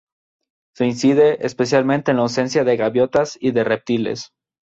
Se incide especialmente en la ausencia de gaviotas y de reptiles.